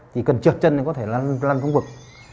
thì cần trượt chân để có thể lăn vùng vực